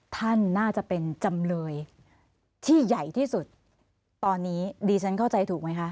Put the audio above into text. ท่านน่าจะเป็นจำเลยที่ใหญ่ที่สุดตอนนี้ดีฉันเข้าใจถูกไหมคะ